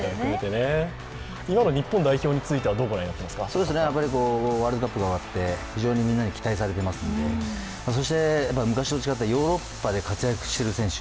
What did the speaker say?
今の日本代表についてはどうご覧になっていますか？ワールドカップが終わって非常にみんなに期待されていますので、そして、昔と違ってヨーロッパで活躍している選手